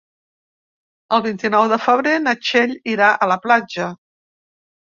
El vint-i-nou de febrer na Txell irà a la platja.